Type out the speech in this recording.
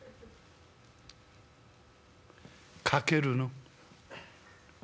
「掛けるの」。